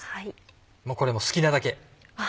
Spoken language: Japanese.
これも好きなだけ。